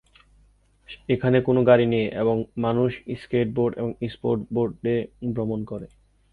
এখানে কোন গাড়ি নেই এবং মানুষ স্কেটবোর্ড এবং স্কেটবোর্ডে ভ্রমণ করে।